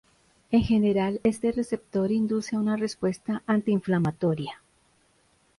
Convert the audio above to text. En general este receptor induce a una respuesta antiinflamatoria.